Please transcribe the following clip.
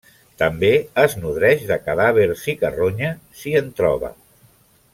També es nodreix de cadàvers i carronya, si en troba.